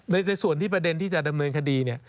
ในส่วนที่ประเด็นที่จะดำเนินคดีเนี่ย